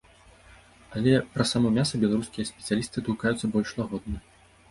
Але пра само мяса беларускія спецыялісты адгукаюцца больш лагодна.